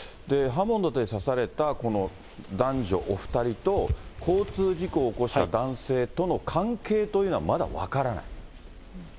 刃物で刺されたこの男女お２人と、交通事故を起こした男性との関係というのはまだ分からない？